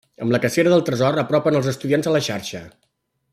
Amb la cacera del tresor apropen als estudiants a la xarxa.